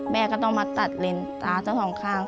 แม่ก็ต้องมาตัดลิ้นตาทั้งสองข้าง